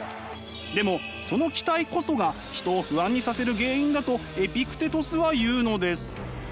でもその期待こそが人を不安にさせる原因だとエピクテトスは言うのです。